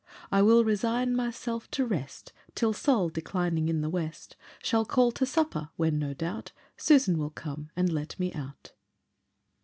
I will resign myself to rest Till Sol, declining in the west, Shall call to supper, when, no doubt, Susan will come and let me out."